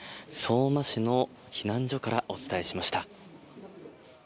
相馬市の避難所からお伝えしました。